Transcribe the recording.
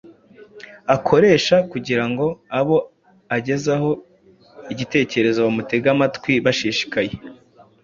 akoresha kugira ngo abo agezaho igitekerezo bamutege amatwi bashishikaye.